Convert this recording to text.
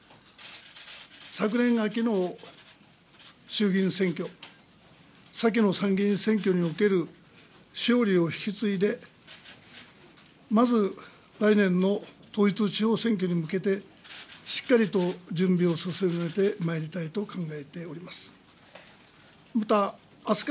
昨年秋の衆議院選挙、先の参議院選挙における勝利を引き継いで、まず来年の統一地方選挙に向けて、しっかりと準備を進めてまいりたいと考えております。